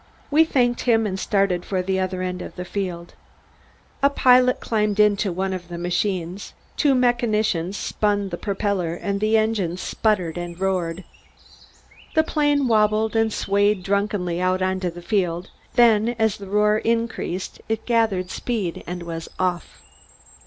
We thanked him and started for the other end of the field. A pilot climbed into one of the machines. Two mechanicians spun the propeller and the engine sputtered and roared. The plane wabbled and swayed drunkenly out on to the field, then as the roar increased, it gathered speed and was off.